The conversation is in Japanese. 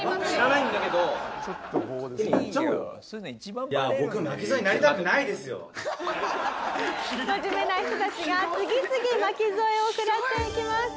「真面目な人たちが次々巻き添えを食らっていきます」